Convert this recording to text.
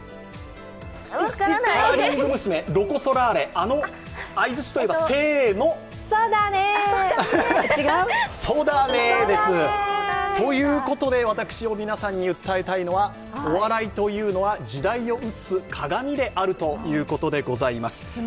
ロコ・ソラーレ、あの相づちといえば？ということで、私が皆さんに訴えたいのはお笑いというのは時代を映す鏡であるということでございます。